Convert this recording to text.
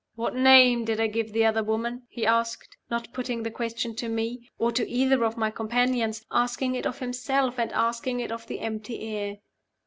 "What name did I give the other woman?" he asked, not putting the question to me, or to either of my companions: asking it of himself, or asking it of the empty air.